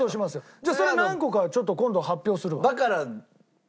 じゃあそれ何個かちょっと今度発表するわ。